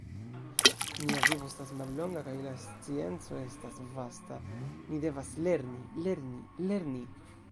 Nia vivo estas mallonga kaj la scienco estas vasta; ni devas lerni, lerni, lerni!